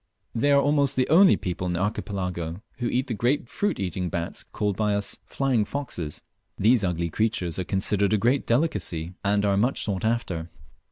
They are almost the only people in the Archipelago who eat the great fruit eating bats called by us "flying foxes." These ugly creatures are considered a great delicacy, and are much sought after.